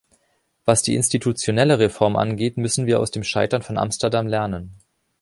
Was die institutionelle Reform angeht, müssen wir aus dem Scheitern von Amsterdam lernen.